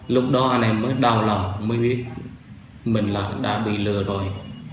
lúc đó anh em mới đau lòng mới biết mình là đã bị lừa rồi